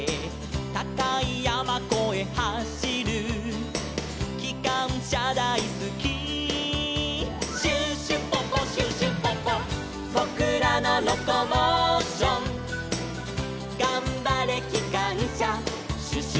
「たかいやまこえはしる」「きかんしゃだいすき」「シュシュポポシュシュポポ」「ぼくらのロコモーション」「がんばれきかんしゃシュシュポポ」